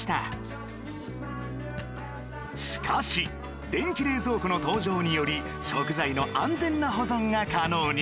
しかし電気冷蔵庫の登場により食材の安全な保存が可能に